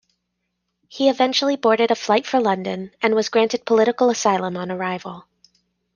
He eventually boarded a flight for London, and was granted political asylum on arrival.